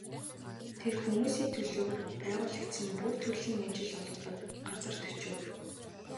Тэр хүмүүсийн төлөө байгуулагдсан бүх төрлийн ажил олгодог газарт очив.